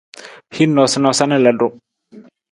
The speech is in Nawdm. Hin noosanoosa na ludu.